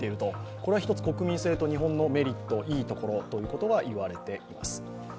これは一つ国民性と日本のメリット、いいところといわれています。